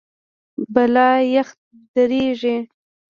بالا یخ ډېریږي.